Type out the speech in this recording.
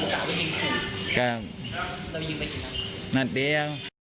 ครับครับครับนัดเดียว